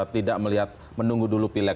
tidak melihat menunggu dulu pileg